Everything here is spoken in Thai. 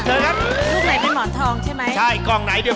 เชิญครับ